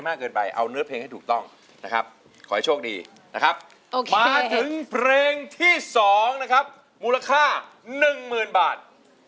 นะครับโอเคมาถึงเพลงที่สองนะครับมูลค่าหนึ่งเมินบาท